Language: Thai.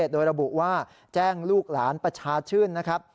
โดยระบุว่าแจ้งลูกหลานประชาชื่นนะครับ